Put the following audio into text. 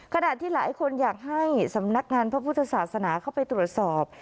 ขณะที่หลายคนอยากให้สำนักงานพระพุทธศาสนาเข้าไปตรวจสอบ